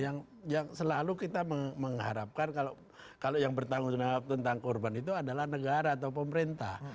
yang selalu kita mengharapkan kalau yang bertanggung jawab tentang korban itu adalah negara atau pemerintah